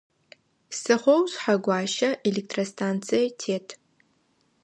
Псыхъоу Шъхьэгуащэ электростанцие тет.